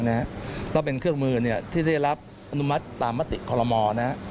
และเป็นเครื่องมือที่ได้รับอนุมัติตามมติคณะรัฐมนตรี